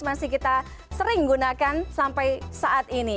masih kita sering gunakan sampai saat ini